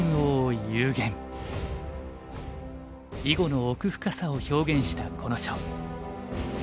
囲碁の奥深さを表現したこの書。